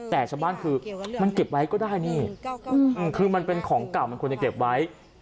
แต่ชาวบ้านคือมันเก็บไว้ก็ได้นี่คือมันเป็นของเก่ามันควรจะเก็บไว้